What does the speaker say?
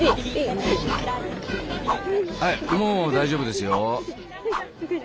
もう大丈夫ですよ？